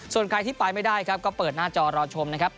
ส่วนใครที่ไปไม่ได้ครับก็เปิดหน้าจอรอชมนะครับ